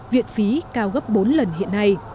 viện phí cao gấp bốn lần hiện nay